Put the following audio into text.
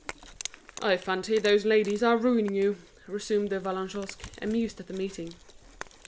"I fancy those ladies are ruining you," resumed De Vallagnosc, amused at the meeting.